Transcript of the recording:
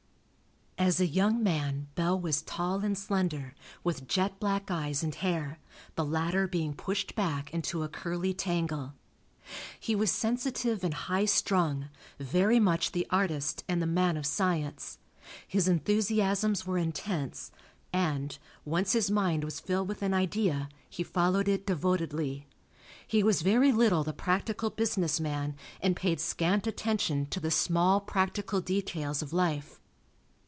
As a young man Bell was tall and slender, with jet black eyes and hair, the latter being pushed back into a curly tangle. He was sensitive and high strung, very much the artist and the man of science. His enthusiasms were intense, and, once his mind was filled with an idea, he followed it devotedly. He was very little the practical business man and paid scant attention to the small, practical details of life.